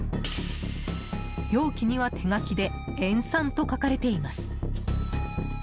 容器には手書きで「塩酸」と書かれています。